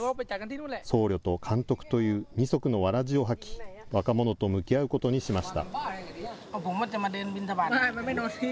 僧侶と監督という二足のわらじを履き、若者と向き合うことにしました。